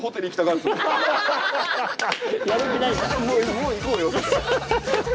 もう行こうよって。